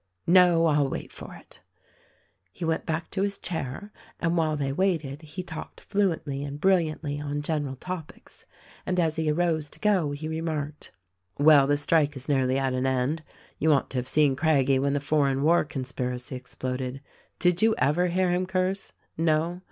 No! I will wait for it." He went back to his chair, and while they waited he talked fluently and brilliantly on general topics ; and as he arose to go he remarked, "Well, the strike is nearly at an end. You ought to have seen Craggie when the foreign war conspiracy exploded. Did you ever hear him curse? No?